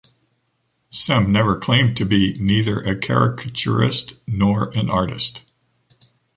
Sem never claimed to be neither a caricaturist nor an artist.